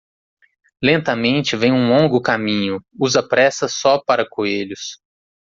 Lentamente vem um longo caminho, usa pressa só para coelhos.